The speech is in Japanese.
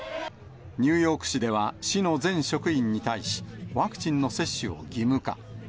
ニューヨーク市では市の全職員に対し、ワクチンの接種を義務化。